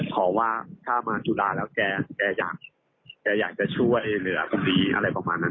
พอว่าถ้ามาจุฬาแล้วแกอยากจะช่วยเหลือคนนี้อะไรประมาณนั้น